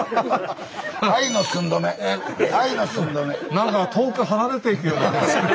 何か遠く離れていくようなんですけど。